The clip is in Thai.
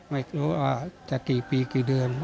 ไม่รู้ว่าจะกี่ปีกี่เดือน